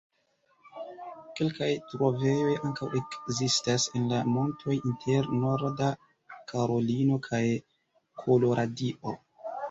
Kelkaj trovejoj ankaŭ ekzistas en la montoj inter Norda Karolino kaj Koloradio.